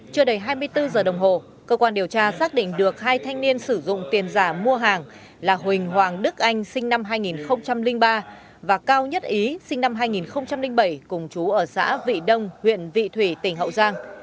chưa đầy hai mươi bốn giờ đồng hồ cơ quan điều tra xác định được hai thanh niên sử dụng tiền giả mua hàng là huỳnh hoàng đức anh sinh năm hai nghìn ba và cao nhất ý sinh năm hai nghìn bảy cùng chú ở xã vị đông huyện vị thủy tỉnh hậu giang